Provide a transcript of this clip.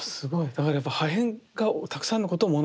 だからやっぱ破片がたくさんのことを物語ってる。